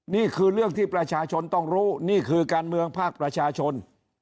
นี่คือเรื่องที่ประชาชนต้องรู้นี่คือการเมืองภาคประชาชน